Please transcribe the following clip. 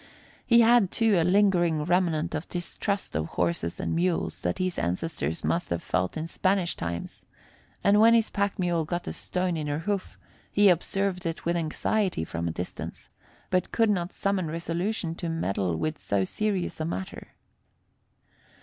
He had, too, a lingering remnant of the distrust of horses and mules that his ancestors must have felt in Spanish times, and when his pack mule got a stone in her hoof, he observed it with anxiety from a distance, but could not summon resolution to meddle with so serious a matter.